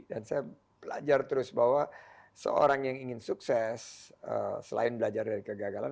dan saya belajar terus bahwa seorang yang ingin sukses selain belajar dari kegagalan